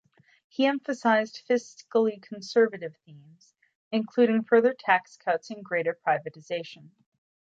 He emphasized fiscally conservative themes, including further tax cuts and greater privatization.